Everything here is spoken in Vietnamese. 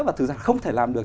và thực ra không thể làm được